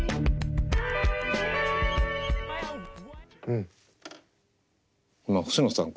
うん。